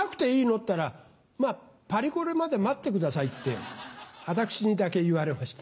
ったら「パリコレまで待ってください」って私にだけ言われました。